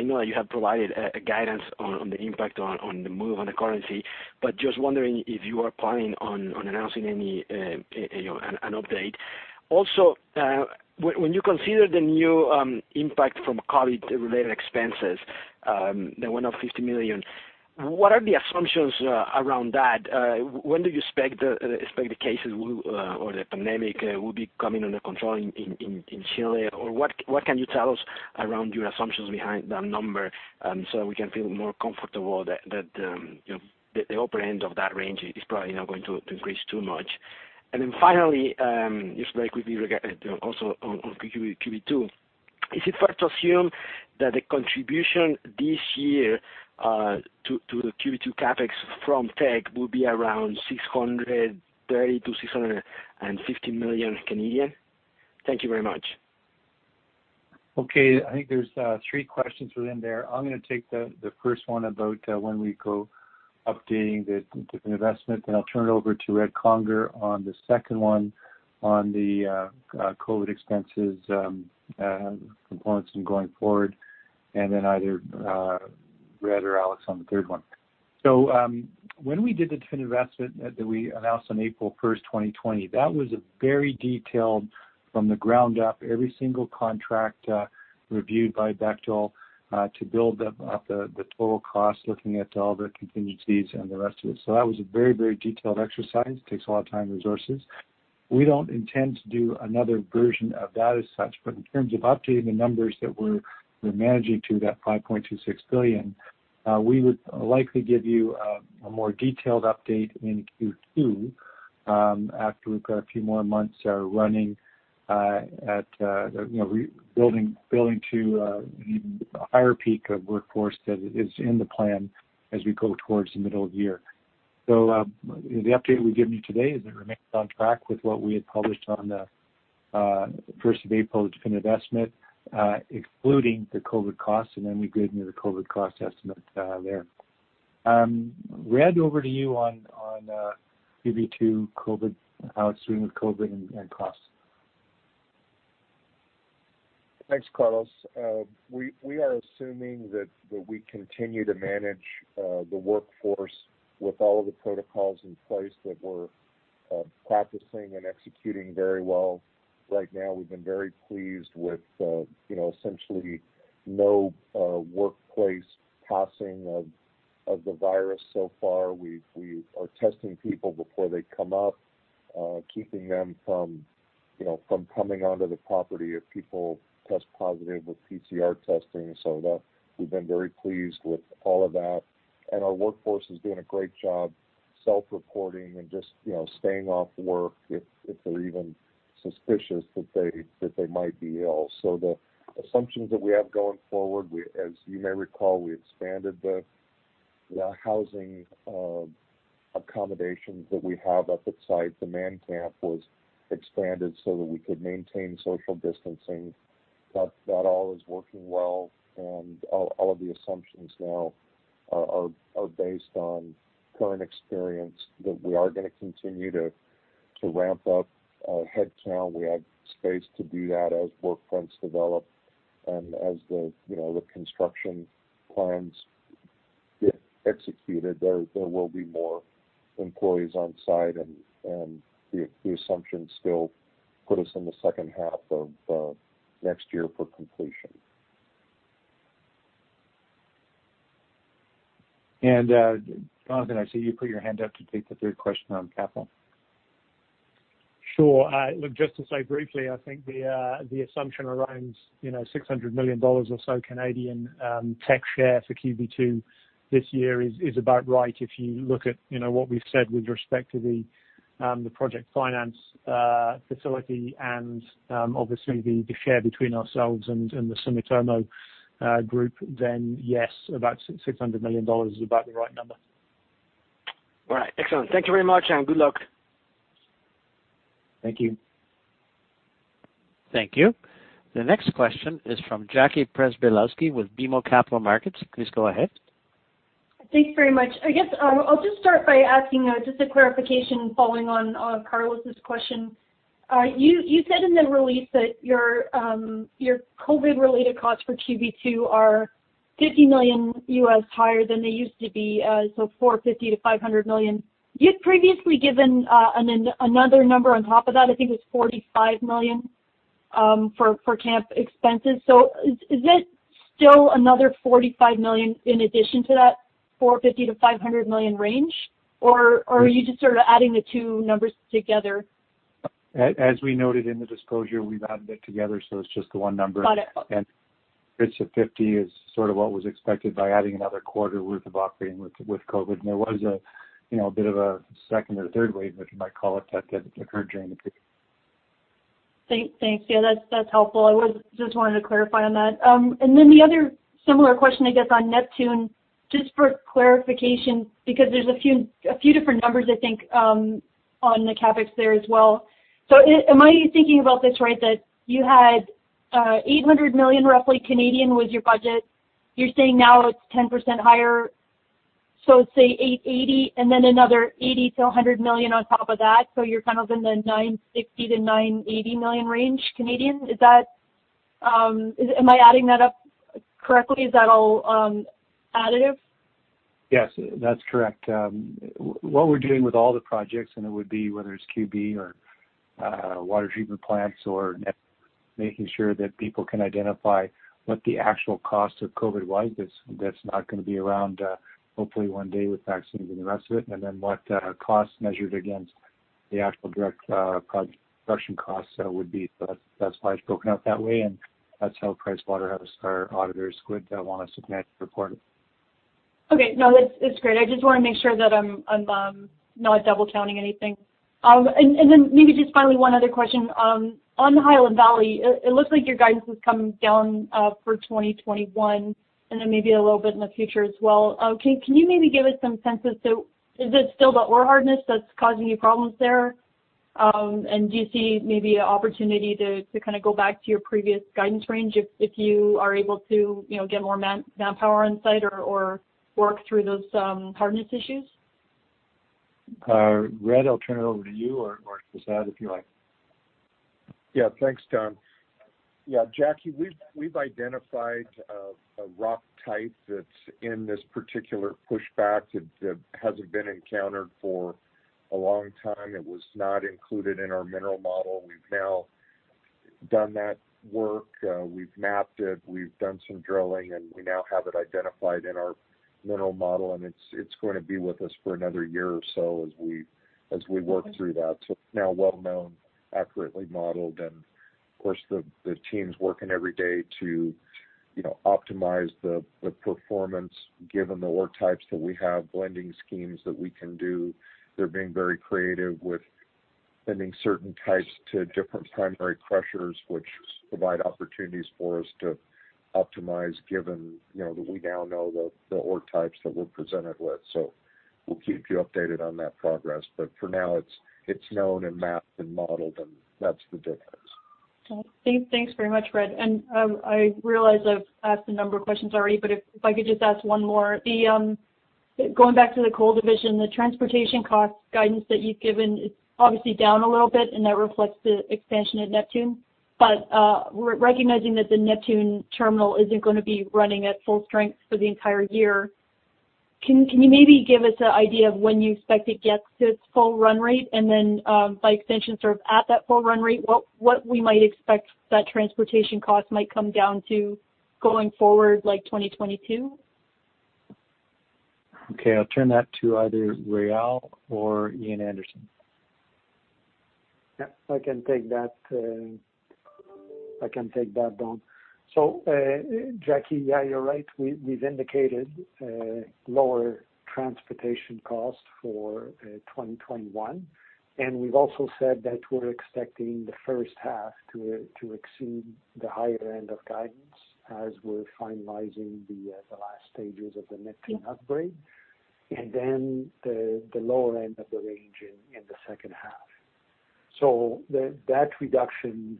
know that you have provided a guidance on the impact on the move on the currency, but just wondering if you are planning on announcing an update. Also, when you consider the new impact from COVID-related expenses, the one of 50 million, what are the assumptions around that? When do you expect the cases or the pandemic will be coming under control in Chile? What can you tell us around your assumptions behind that number so we can feel more comfortable that the upper end of that range is probably not going to increase too much? Finally, just very quickly also on Q2, is it fair to assume that the contribution this year to the Q2 CapEx from Teck will be around 630 million-650 million? Thank you very much. Okay. I think there's three questions within there. I'm going to take the first one about when we go updating the definitive investment, then I'll turn it over to Harry Conger on the second one on the COVID expenses components and going forward, and then either Réal or Alex on the third one. When we did the definitive investment that we announced on April 1st, 2020, that was very detailed from the ground up, every single contract reviewed by Bechtel to build up the total cost, looking at all the contingencies and the rest of it. That was a very detailed exercise. Takes a lot of time and resources. We don't intend to do another version of that as such, but in terms of updating the numbers that we're managing to that 5.26 billion, we would likely give you a more detailed update in Q2 after we've got a few more months running at building to a higher peak of workforce that is in the plan as we go towards the middle of the year. The update we've given you today is it remains on track with what we had published on the April 1st, the definitive estimate, excluding the COVID costs, and then we gave you the COVID cost estimate there. Ed, over to you on Q2, how it's doing with COVID and costs. Thanks, Carlos. We are assuming that we continue to manage the workforce with all of the protocols in place that we're practicing and executing very well right now. We've been very pleased with essentially no workplace passing of the virus so far. We are testing people before they come up, keeping them from coming onto the property if people test positive with PCR testing. We've been very pleased with all of that, and our workforce is doing a great job self-reporting and just staying off work if they're even suspicious that they might be ill. The assumptions that we have going forward, as you may recall, we expanded the housing accommodations that we have up at site, the man camp, was expanded so that we could maintain social distancing. That all is working well, and all of the assumptions now are based on current experience that we are going to continue to ramp up our headcount. We have space to do that as work fronts develop. As the construction plans get executed, there will be more employees on site, and the assumptions still put us in the second half of next year for completion. Jonathan, I see you put your hand up to take the third question on capital. Sure. Look, just to say briefly, I think the assumption around 600 million dollars or so Canadian Teck share for QB2 this year is about right. If you look at what we've said with respect to the project finance facility and obviously the share between ourselves and the Sumitomo Group, yes, about 600 million dollars is about the right number. All right. Excellent. Thank you very much, and good luck. Thank you. Thank you. The next question is from Jackie Przybylowski with BMO Capital Markets. Please go ahead. Thanks very much. I guess I'll just start by asking just a clarification following on Carlos's question. You said in the release that your COVID-related costs for QB2 are $50 million higher than they used to be, so $450 million-$500 million. You'd previously given another number on top of that, I think it was $45 million, for camp expenses. Is it still another $45 million in addition to that $450 million-$500 million range? Are you just sort of adding the two numbers together? As we noted in the disclosure, we've added it together, it's just the one number. Got it. It's the 50 million is sort of what was expected by adding another quarter worth of operating with COVID. There was a bit of a second or third wave, if you might call it, that did occur during the peak. Thanks. Yeah, that's helpful. I just wanted to clarify on that. The other similar question, I guess, on Neptune, just for clarification, because there's a few different numbers, I think, on the CapEx there as well. Am I thinking about this right, that you had 800 million, roughly, Canadian was your budget. You're saying now it's 10% higher, say 880, and then another 80 million-100 million on top of that. You're kind of in the 960 million-980 million range, Canadian. Am I adding that up correctly? Is that all additive? Yes, that's correct. What we're doing with all the projects, and it would be whether it's QB or water treatment plants or making sure that people can identify what the actual cost of COVID was, that's not going to be around, hopefully, one day with vaccines and the rest of it, and then what cost measured against the actual direct production cost would be. That's why it's broken out that way, and that's how PricewaterhouseCoopers, our auditors, would want us to manage the report. Okay. No, that's great. I just want to make sure that I'm not double counting anything. Maybe just finally one other question. On Highland Valley, it looks like your guidance is coming down for 2021 and then maybe a little bit in the future as well. Can you maybe give us some sense of, is it still the ore hardness that's causing you problems there? Do you see maybe an opportunity to kind of go back to your previous guidance range if you are able to get more manpower on site or work through those hardness issues? Red, I'll turn it over to you if you like. Yeah. Thanks, Don. Yeah, Jackie, we've identified a rock type that's in this particular pushback that hasn't been encountered for a long time. It was not included in our mineral model. We've now done that work. We've mapped it, we've done some drilling, and we now have it identified in our mineral model, and it's going to be with us for another year or so as we work through that. It's now well-known, accurately modeled, and of course, the team's working every day to optimize the performance given the ore types that we have, blending schemes that we can do. They're being very creative with sending certain types to different primary crushers, which provide opportunities for us to optimize given that we now know the ore types that we're presented with. We'll keep you updated on that progress, but for now it's known and mapped and modeled, and that's the difference. Thanks very much, Red. I realize I've asked a number of questions already, but if I could just ask one more. Going back to the coal division, the transportation cost guidance that you've given, it's obviously down a little bit, and that reflects the expansion at Neptune. Recognizing that the Neptune terminal isn't going to be running at full strength for the entire year, can you maybe give us an idea of when you expect to get to its full run rate? Then, by extension, sort of at that full run rate, what we might expect that transportation cost might come down to going forward, like 2022? Okay, I'll turn that to either Réal or Ian Anderson. Yeah, I can take that, Don. Jackie, yeah, you're right. We've indicated lower transportation costs for 2021, and we've also said that we're expecting the first half to exceed the higher end of guidance. As we're finalizing the last stages of the Neptune upgrade, and then the lower end of the range in the second half. That reduction,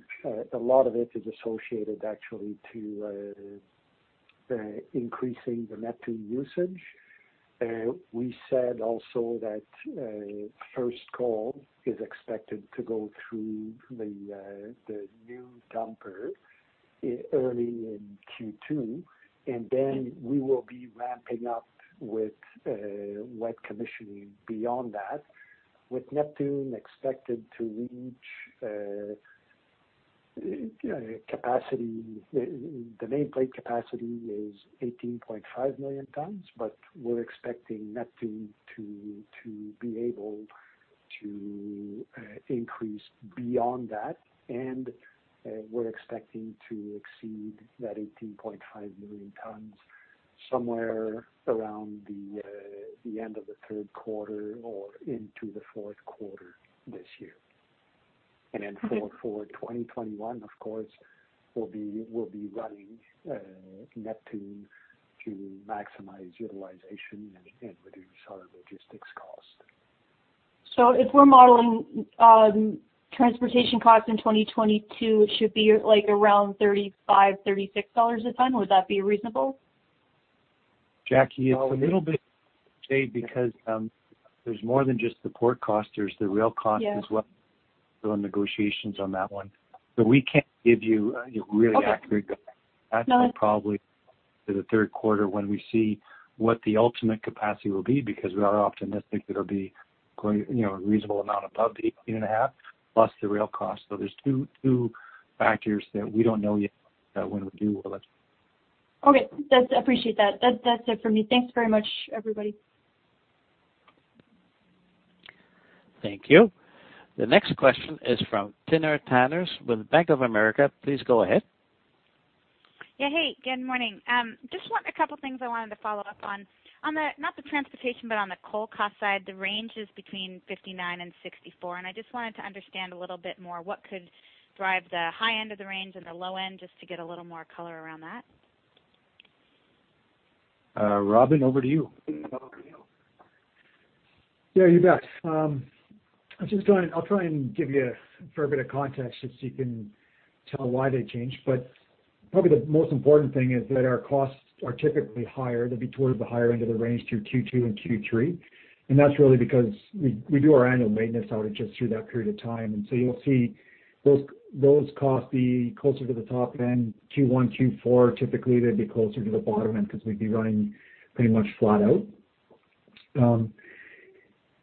a lot of it is associated actually to increasing the Neptune usage. We said also that first coal is expected to go through the new dumper early in Q2, and then we will be ramping up with wet commissioning beyond that, with Neptune expected to reach capacity. The nameplate capacity is 18.5 million tons, but we're expecting Neptune to be able to increase beyond that, and we're expecting to exceed that 18.5 million tons somewhere around the end of the third quarter or into the fourth quarter this year. For 2021, of course, we'll be running Neptune to maximize utilization and reduce our logistics cost. If we're modeling transportation costs in 2022, it should be around 35-36 dollars a ton. Would that be reasonable? Jackie, it's a little bit because there's more than just the port cost. There's the rail cost as well. Yeah. Still in negotiations on that one. We can't give you a really accurate guidance. Okay. No. That's probably to the third quarter when we see what the ultimate capacity will be, because we are optimistic that it'll be a reasonable amount above 18.5 million tons, plus the rail costs. There's two factors that we don't know yet, that when we do, we'll let you know. Okay. I appreciate that. That's it from me. Thanks very much, everybody. Thank you. The next question is from Timna Tanners with Bank of America. Please go ahead. Yeah. Hey, good morning. Just a couple of things I wanted to follow up on. Not the transportation, but on the coal cost side, the range is between 59 and 64. I just wanted to understand a little bit more what could drive the high end of the range and the low end, just to get a little more color around that. Robin, over to you. Yeah, you bet. I'll try and give you for a bit of context, just so you can tell why they changed. Probably the most important thing is that our costs are typically higher. They'll be toward the higher end of the range through Q2 and Q3. That's really because we do our annual maintenance outage just through that period of time. You'll see those costs be closer to the top end. Q1, Q4, typically, they'd be closer to the bottom end because we'd be running pretty much flat out.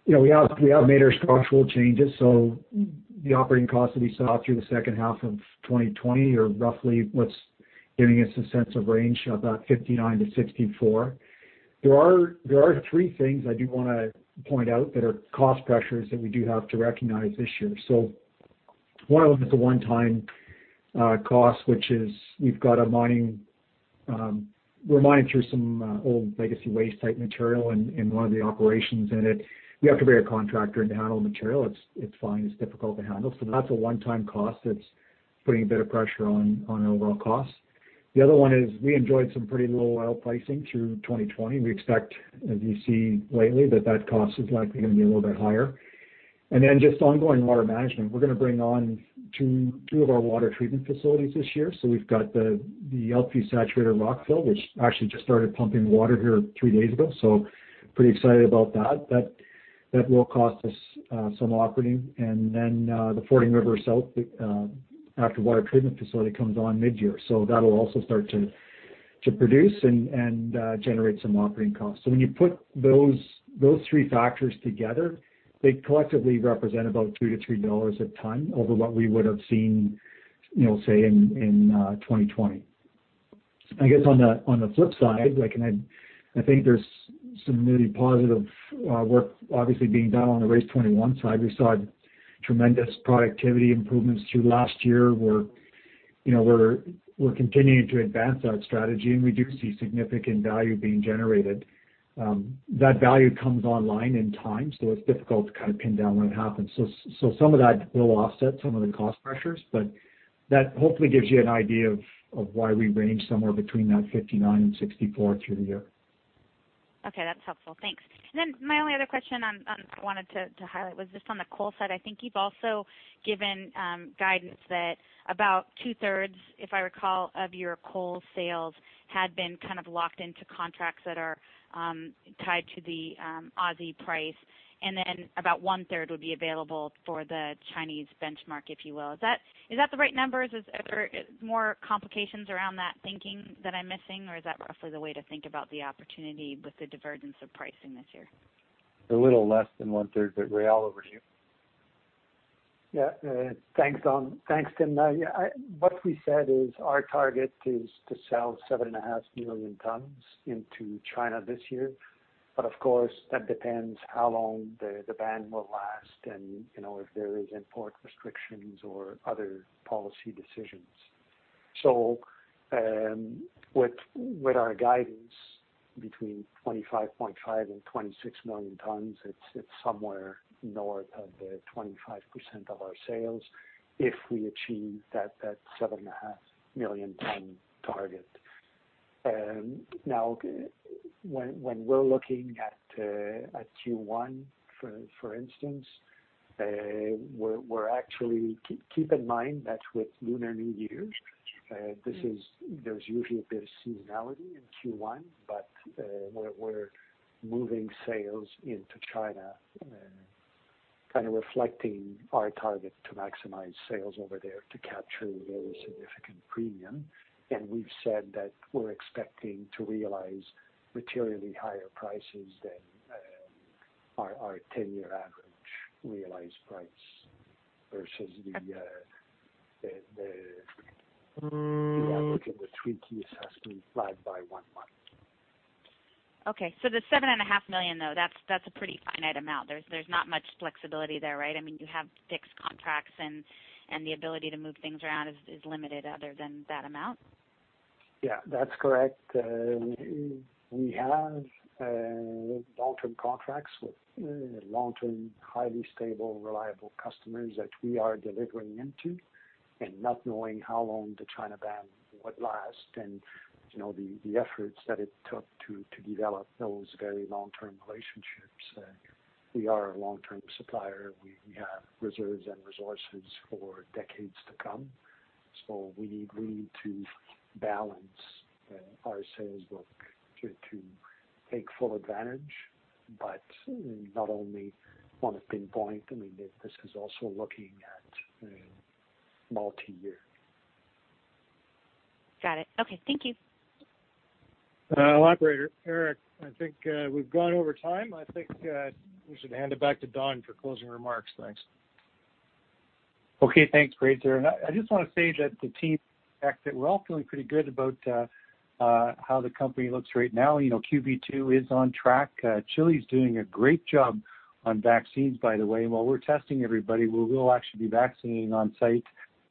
We have made our structural changes, so the operating costs that we saw through the second half of 2020 are roughly what's giving us a sense of range of that 59-64. There are three things I do want to point out that are cost pressures that we do have to recognize this year. One of them is a one-time cost, which is we're mining through some old legacy waste-type material in one of the operations, and we have to bring a contractor in to handle the material. It's fine, it's difficult to handle. That's a one-time cost that's putting a bit of pressure on overall costs. The other one is we enjoyed some pretty low oil pricing through 2020. We expect, as you see lately, that cost is likely going to be a little bit higher. Just ongoing water management. We're going to bring on two of our water treatment facilities this year. We've got the Elkview Saturated Rock Fill, which actually just started pumping water here three days ago, pretty excited about that. That will cost us some operating. The Fording River South Active Water Treatment Facility comes on mid-year. That'll also start to produce and generate some operating costs. When you put those three factors together, they collectively represent about 2-3 dollars a ton over what we would have seen, say, in 2020. I guess on the flip side, I think there's some really positive work obviously being done on the RACE21 side. We saw tremendous productivity improvements through last year. We're continuing to advance that strategy, and we do see significant value being generated. That value comes online in time, so it's difficult to kind of pin down when it happens. Some of that will offset some of the cost pressures, but that hopefully gives you an idea of why we range somewhere between that 59-64 through the year. Okay, that's helpful. Thanks. My only other question I wanted to highlight was just on the coal side. I think you've also given guidance that about 2/3, if I recall, of your coal sales had been kind of locked into contracts that are tied to the Aussie price, and then about 1/3 would be available for the Chinese benchmark, if you will. Is that the right numbers? Is there more complications around that thinking that I'm missing, or is that roughly the way to think about the opportunity with the divergence of pricing this year? A little less than 1/3, but Réal, over to you. Yeah. Thanks, Don. Thanks, Timna. What we said is our target is to sell 7.5 million tons into China this year. Of course, that depends how long the ban will last and if there is import restrictions or other policy decisions. With our guidance between 25.5 million tons-26 million tons. It's somewhere north of the 25% of our sales if we achieve that 7.5 million ton target. When we're looking at Q1, for instance, keep in mind that's with Lunar New Year. There's usually a bit of seasonality in Q1. We're moving sales into China, kind of reflecting our target to maximize sales over there to capture a very significant premium. We've said that we're expecting to realize materially higher prices than our 10-year average realized price versus the average in the 3Q has been flat by one month. Okay. The 7.5 million, though, that's a pretty finite amount. There's not much flexibility there, right? You have fixed contracts, the ability to move things around is limited other than that amount? Yeah, that's correct. We have long-term contracts with long-term, highly stable, reliable customers that we are delivering into, not knowing how long the China ban would last and the efforts that it took to develop those very long-term relationships. We are a long-term supplier. We have reserves and resources for decades to come. We need to balance our sales book to take full advantage, but not only on a pinpoint. This is also looking at multi-year. Got it. Okay. Thank you. Operator, Eric, I think we've gone over time. I think we should hand it back to Don for closing remarks. Thanks. Okay. Thanks, Fraser. I just want to say the team, in fact, we're all feeling pretty good about how the company looks right now. QB2 is on track. Chile's doing a great job on vaccines, by the way. While we're testing everybody, we will actually be vaccinating on site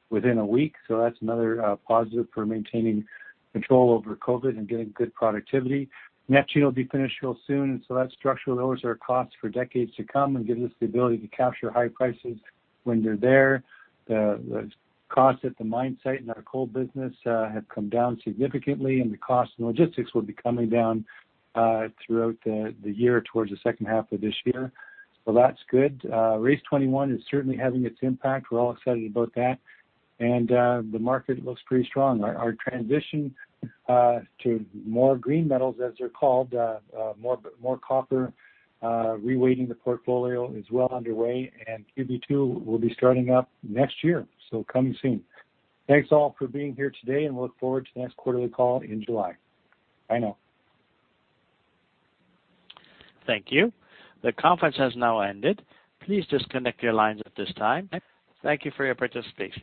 within a week, so that's another positive for maintaining control over COVID and getting good productivity. The Neptune expansion will be finished real soon, that structurally lowers our cost for decades to come and gives us the ability to capture high prices when they're there. The cost at the mine site in our coal business have come down significantly, the cost in logistics will be coming down throughout the year towards the second half of this year. That's good. RACE21 is certainly having its impact. We're all excited about that. The market looks pretty strong. Our transition to more green metals, as they're called, more copper, reweighting the portfolio is well underway, and QB2 will be starting up next year, so coming soon. Thanks all for being here today, and we look forward to the next quarterly call in July. Bye now. Thank you. The conference has now ended. Please disconnect your lines at this time. Thank you for your participation